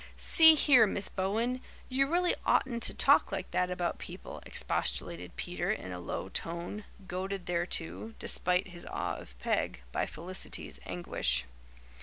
"See here, Miss Bowen, you really oughtn't to talk like that about people," expostulated Peter in a low tone, goaded thereto, despite his awe of Peg, by Felicity's anguish.